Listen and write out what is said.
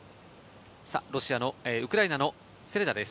ウクライナのセレダです。